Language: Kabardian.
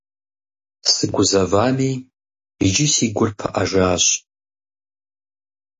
Сыгузэвами, иджы си гур пыӀэжащ.